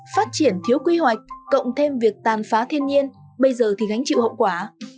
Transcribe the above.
phát triển thiếu quy hoạch cộng thêm việc tàn phá thiên nhiên bây giờ thì gánh chịu hậu quả